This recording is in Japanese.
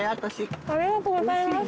ありがとうございます。